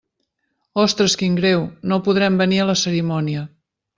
Ostres, quin greu, no podrem venir a la cerimònia.